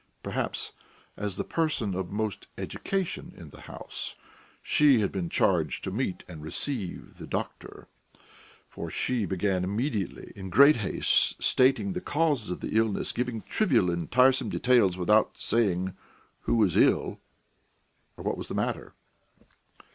Probably, as the person of most education in the house, she had been charged to meet and receive the doctor, for she began immediately, in great haste, stating the causes of the illness, giving trivial and tiresome details, but without saying who was ill or what was the matter.